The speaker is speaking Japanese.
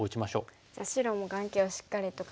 じゃあ白も眼形をしっかりと確保して。